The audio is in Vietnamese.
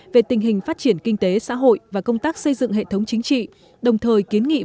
về tình hình phát triển kinh tế xã hội và công tác xây dựng hệ thống chính trị